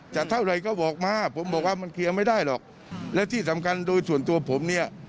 เท่าไหร่ก็บอกมาผมบอกว่ามันเคลียร์ไม่ได้หรอกและที่สำคัญโดยส่วนตัวผมเนี่ย